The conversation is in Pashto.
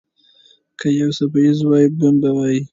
که یو څپیز وای، بم به وای.